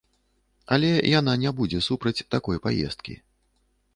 Але яна не будзе супраць такой паездкі.